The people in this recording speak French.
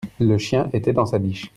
le chien était dans sa niche.